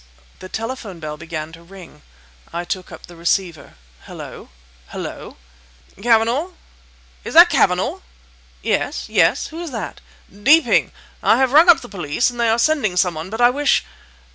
The telephone bell began to ring. I took up the receiver. "Hullo! Hullo." "Cavanagh!—is that Cavanagh?" "Yes! yes! who is that?" "Deeping! I have rung up the police, and they are sending some one. But I wish..."